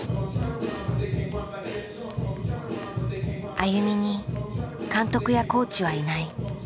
ＡＹＵＭＩに監督やコーチはいない。